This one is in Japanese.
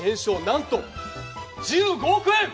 なんと１５億円！